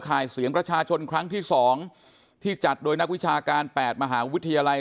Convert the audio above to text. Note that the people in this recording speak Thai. ขายเสียงประชาชนครั้งที่๒ที่จัดโดยนักวิชาการ๘มหาวิทยาลัย